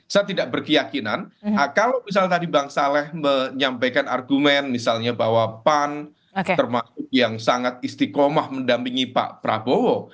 saya tidak berkeyakinan kalau misalnya tadi bang saleh menyampaikan argumen misalnya bahwa pan termasuk yang sangat istiqomah mendampingi pak prabowo